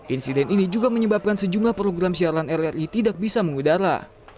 insiden ini juga menyebabkan sejumlah program siaran rri tidak bisa mengudara